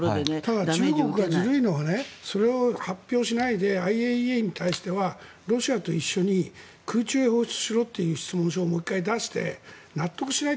ただ、中国がずるいのはそれを発表しないでＩＡＥＡに対してはロシアと一緒に空中へ放出しろという質問書を出して納得しない。